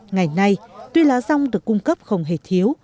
ngày nay tuy lá rong được cung cấp không hề thiếu